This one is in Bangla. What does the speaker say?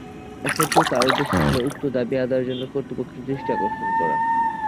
এক্ষেত্রেও তার উদ্দেশ্য ছিলো উক্ত দাবী আদায়ের জন্য কর্তৃপক্ষের দৃষ্টি আকর্ষণ করা।